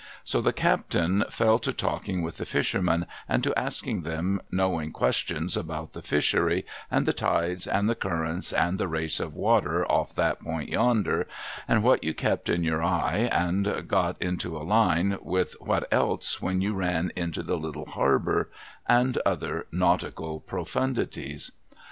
So the captain fell to talking with the fishermen, and to asking them knowing questions about the fishery, and the tides, and the currents, and the race of water off that point yonder, and what you kept in your eye, and got into a line with what else when you ran into the little harbour ; and other nautical profundities.